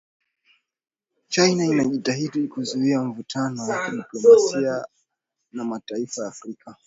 China inajitahidi kuzuia mivutano ya kidiplomasia na mataifa ya Afrika